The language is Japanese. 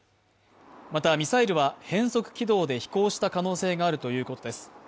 また、ミサイルは変則軌道で飛行した可能性があるということです。